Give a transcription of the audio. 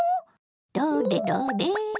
どれどれ？